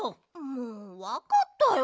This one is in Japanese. もうわかったよ。